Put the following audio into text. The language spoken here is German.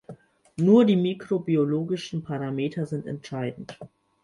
Nur die mikrobiologischen Parameter sind entscheidend.